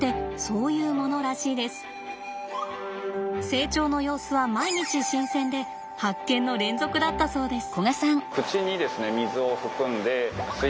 成長の様子は毎日新鮮で発見の連続だったそうです。